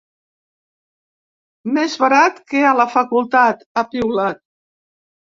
Més barat que a la facultat, ha piulat.